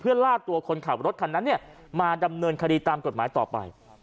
ลาดตัวคนขับรถคันนั้นมาดำเนินคดีตามกฎหมายต่อไป